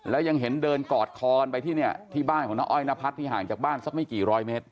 แล้วยังเห็นเดินกอดคอกันไปที่เนี่ยที่บ้านของน้าอ้อยนพัฒน์ที่ห่างจากบ้านสักไม่กี่ร้อยเมตร